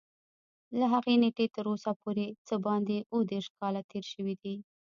له هغې نېټې تر اوسه پورې څه باندې اووه دېرش کاله تېر شوي دي.